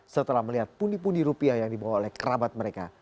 setelah melihat pundi pundi rupiah yang dibawa oleh kerabat mereka